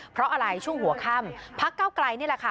เพราะอะไรช่วงหัวค่ำพักเก้าไกลนี่แหละค่ะ